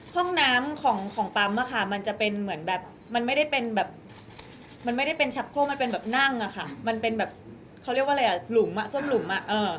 ห้องน้ำของปั๊มอะค่ะมันจะเป็นเหมือนแบบมันไม่ได้เป็นแบบมันไม่ได้เป็นชักโครกมันเป็นแบบนั่งอะค่ะมันเป็นแบบเขาเรียกว่าอะไรอ่ะหลุมอ่ะส้มหลุมอ่ะ